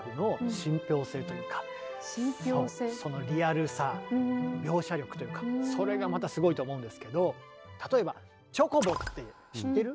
そうそのリアルさ描写力というかそれがまたすごいと思うんですけど例えばチョコボって知ってる？